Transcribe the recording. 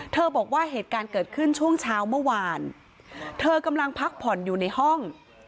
บอกว่าเหตุการณ์เกิดขึ้นช่วงเช้าเมื่อวานเธอกำลังพักผ่อนอยู่ในห้อง